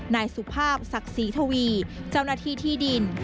นายสุภาพศักดิ์ศรีทวีเจ้าหน้าที่ที่ดิน